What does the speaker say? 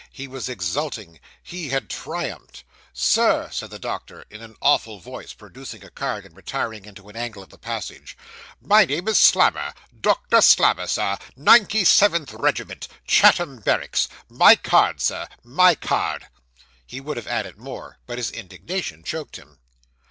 He was exulting. He had triumphed. 'Sir!' said the doctor, in an awful voice, producing a card, and retiring into an angle of the passage, 'my name is Slammer, Doctor Slammer, sir 97th Regiment Chatham Barracks my card, Sir, my card.' He would have added more, but his indignation choked him.